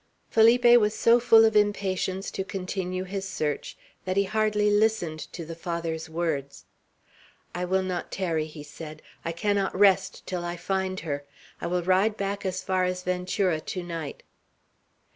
Felipe was so full of impatience to continue his search, that he hardly listened to the Father's words. "I will not tarry," he said. "I cannot rest till I find her. I will ride back as far as Ventura to night."